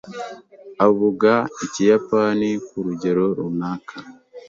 Avuga Ikiyapani ku rugero runaka.